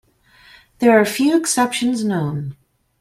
There are a few exceptions known.